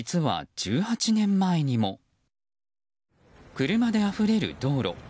車であふれる道路。